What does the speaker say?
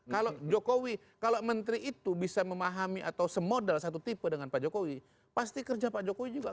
kalau jokowi kalau menteri itu bisa memahami atau semodel satu tipe dengan pak jokowi pasti kerja pak jokowi juga akan lebih ringan gitu